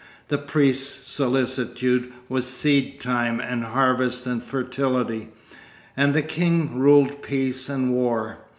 The priest's solicitude was seed time and harvest and fertility, and the king ruled peace and war.